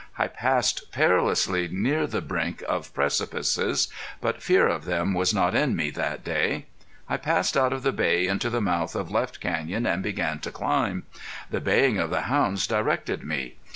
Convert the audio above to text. I passed perilously near the brink of precipices, but fear of them was not in me that day. I passed out of the Bay into the mouth of Left Canyon, and began to climb. The baying of the hounds directed me.